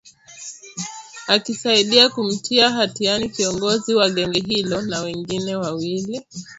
akisaidia kumtia hatiani kiongozi wa genge hilo na wengine wawili